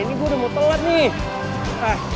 ini gue udah mau telat nih